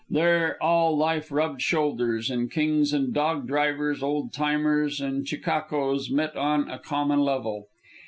There all life rubbed shoulders, and kings and dog drivers, old timers and chechaquos, met on a common level.